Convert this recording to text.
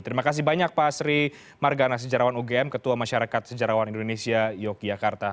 terima kasih banyak pak sri margana sejarawan ugm ketua masyarakat sejarawan indonesia yogyakarta